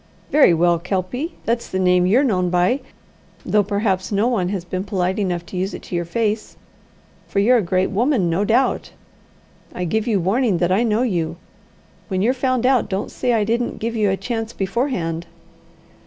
"Very well, Kelpie that's the name you're known by, though perhaps no one has been polite enough to use it to your face, for you're a great woman, no doubt I give you warning that I know you. When you're found out, don't say I didn't give you a chance beforehand."